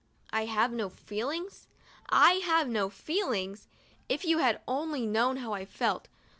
1 have no feelings? I have no feelings? If you had only known how I felt